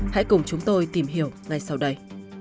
hãy cùng chúng tôi tìm hiểu ngay sau đây